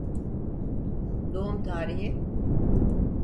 Doğum tarihi?